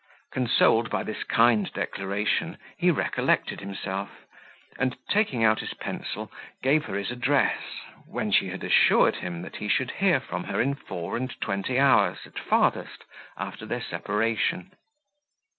Consoled by this kind declaration, he recollected himself; and, taking out his pencil, gave her his address, when she had assured him, that he should hear from her in four and twenty hours, at farthest, after their separation.